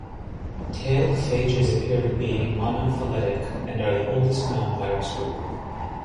Tailed phages appear to be monophyletic and are the oldest known virus group.